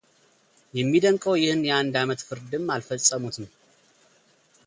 የሚደንቀው ይህን የአንድ ዓመት ፍርድም አልፈጸሙትም።